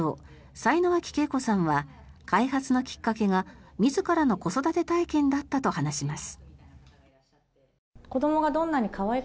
幸脇啓子さんは開発のきっかけが自らの子育て体験だったと話します。